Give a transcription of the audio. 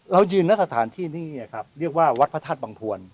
เรายืนหน้าสถานที่นี่ครับเรียกว่าวัดพระธาตุบังพวน